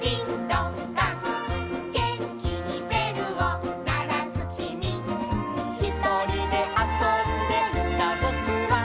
「げんきにべるをならすきみ」「ひとりであそんでいたぼくは」